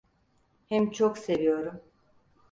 Hem çok seviyorum…